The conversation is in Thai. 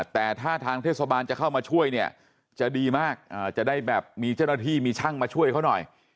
แต่ถ้าทางเทศบาลจะเข้ามาช่วยเนี่ยจะดีมากจะได้แบบมีเจ้าหน้าที่มีช่างมาช่วยเขาหน่อย